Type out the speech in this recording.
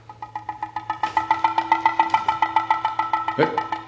えっ？